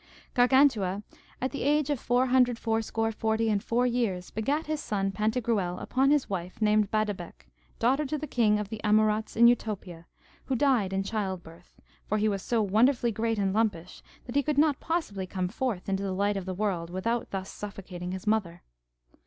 Gargantua at the age of four hundred fourscore forty and four years begat his son Pantagruel, upon his wife named Badebec, daughter to the king of the Amaurots in Utopia, who died in childbirth; for he was so wonderfully great and lumpish that he could not possibly come forth into the light of the world without thus suffocating his mother.